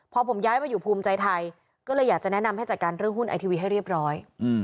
พอผมย้ายมาอยู่ภูมิใจไทยก็เลยอยากจะแนะนำให้จัดการเรื่องหุ้นไอทีวีให้เรียบร้อย